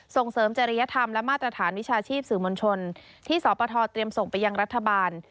ส่งเสริมจริยธรรมและมาตรฐานวิชาชีพสื่อมวลชนที่สปทเตรียมส่งไปยังรัฐบาล